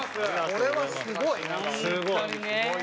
これはすごい。